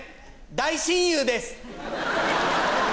大親友です。